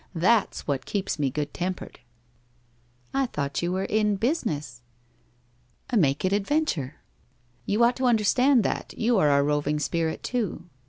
That's what keeps me good tempered.' ' I thought you were in Business ?'' I make it Adventure. You ought to understand that, you are a roving spirit, too.